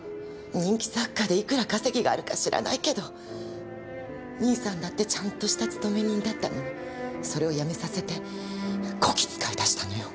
人気作家でいくら稼ぎがあるか知らないけど兄さんだってちゃんとした勤め人だったのにそれを辞めさせてこき使いだしたのよ。